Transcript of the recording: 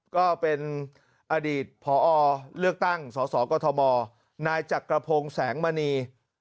ก็เป็นอดีตพอเลือกตั้งสสกมนายจักรพงศ์แสงมณี